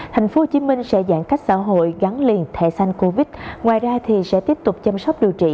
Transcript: tp hcm sẽ giãn cách xã hội gắn liền thẻ xanh covid ngoài ra sẽ tiếp tục chăm sóc điều trị